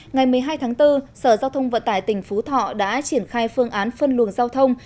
ngày một mươi hai tháng bốn sở giao thông vận tải tỉnh phú thọ đã triển khai phương án phân luồng giao thông